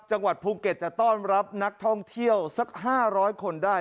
จังหวัดภูเก็ตจะต้อนรับนักท่องเที่ยวสัก๕๐๐คนได้